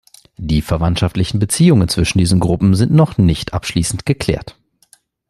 Die verwandtschaftlichen Beziehungen zwischen diesen Gruppen sind noch nicht abschließend geklärt.